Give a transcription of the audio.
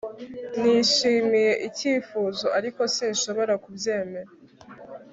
Nishimiye icyifuzo ariko sinshobora kubyemera